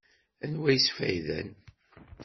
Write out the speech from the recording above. Anwa i yesfayden?